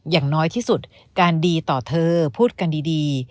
อย่างน้อยที่สุดการดีต่อเธอพูดกันดี